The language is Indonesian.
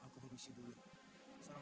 aku berbisi dulu